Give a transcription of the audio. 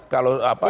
kalau apa ya